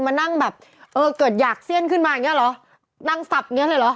นั่งสับอย่างนี้เลยหรอ